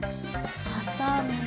はさんで。